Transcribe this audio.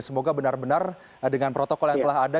semoga benar benar dengan protokol yang telah ada